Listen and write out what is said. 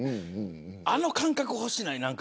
あの感覚、欲しない。